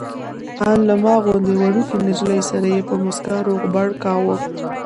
ان له ما غوندې وړوکې نجلۍ سره یې په موسکا روغبړ کاوه.